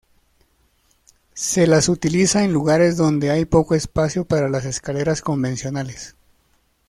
Se las utiliza en lugares donde hay poco espacio para las escaleras convencionales.